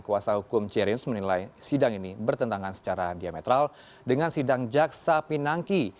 kuasa hukum jerings menilai sidang ini bertentangan secara diametral dengan sidang jaksa pinangki